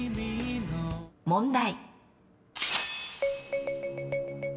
問題。